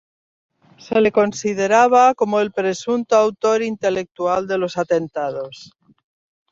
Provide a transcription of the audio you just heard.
Se le consideraba como el presunto autor intelectual de los atentados.